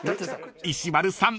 ［石丸さん